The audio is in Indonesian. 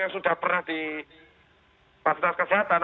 yang sudah pernah di fasilitas kesehatan